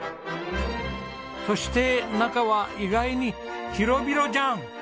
そして中は意外に広々じゃん！